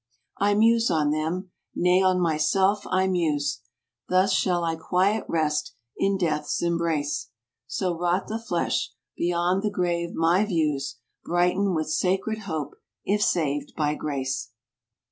I muse on them,—nay on myself I muse; Thus shall I quiet rest, in Death's embrace So rot the flesh,—beyond the grave my views Brighten w ith sacred hope, if saved by grace.